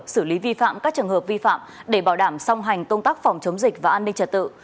xử lý vi phạm các trường hợp vi phạm để bảo đảm song hành công tác phòng chống dịch và an ninh trật tự